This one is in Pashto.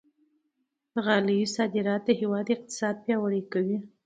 د غالۍ صادرات د هېواد اقتصاد پیاوړی کوي.